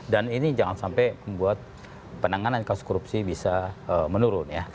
dan ini jangan sampai membuat penanganan kasus korupsi bisa menurun ya